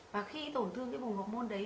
và khi tổn thương cái vùng học môn đấy